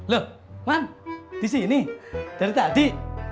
lo man disini dari tadi